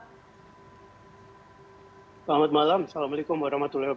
selamat malam assalamualaikum wr wb